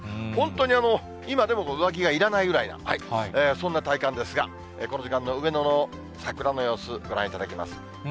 本当に今でも上着がいらないぐらいな、そんな体感ですが、この時間の上野の桜の様子、ご覧いただきます。